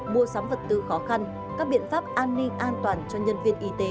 mua sắm vật tư khó khăn các biện pháp an ninh an toàn cho nhân viên y tế